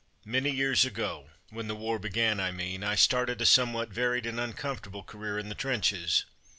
Many years ago (when the war began I mean) I started a somewhat varied and un comfortable career in the trenches.